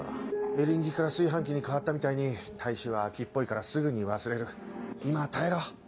「エリンギ」から「炊飯器」に変わったみたいに大衆は飽きっぽいからすぐに忘れる今は耐えろ。